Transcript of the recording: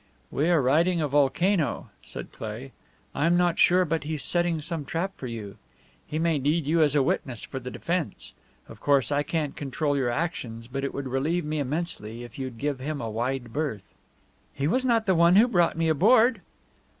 "We are riding a volcano," said Cleigh. "I'm not sure but he's setting some trap for you. He may need you as a witness for the defense. Of course I can't control your actions, but it would relieve me immensely if you'd give him a wide berth." "He was not the one who brought me aboard."